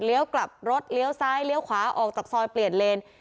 กลับรถเลี้ยวซ้ายเลี้ยวขวาออกจากซอยเปลี่ยนเลน